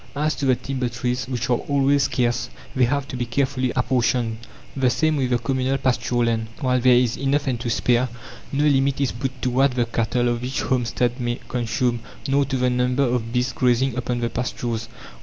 As to the timber trees, which are always scarce, they have to be carefully apportioned. The same with the communal pasture land; while there is enough and to spare, no limit is put to what the cattle of each homestead may consume, nor to the number of beasts grazing upon the pastures.